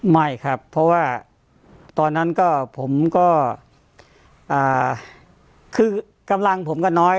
ไม่ครับเพราะว่าตอนนั้นก็ผมก็คือกำลังผมก็น้อย